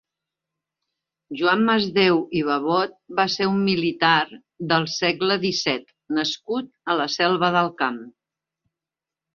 Joan Masdeu i Babot va ser un militar del segle disset nascut a la Selva del Camp.